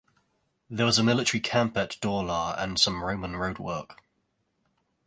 There was a military camp at Dorlar and some Roman roadwork.